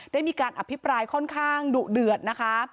ได้มีการอภิปรายค่อนข้างดุเดือดนะคะ